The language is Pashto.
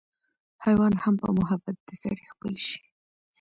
حېوان هم پۀ محبت د سړي خپل شي